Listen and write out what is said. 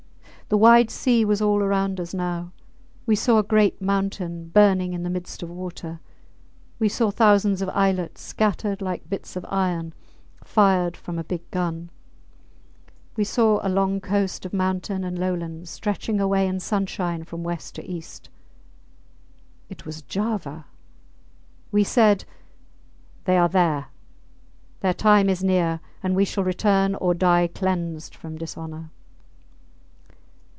The wide sea was all round us now. We saw a great mountain burning in the midst of water; we saw thousands of islets scattered like bits of iron fired from a big gun; we saw a long coast of mountain and lowlands stretching away in sunshine from west to east. It was Java. We said, They are there; their time is near, and we shall return or die cleansed from dishonour.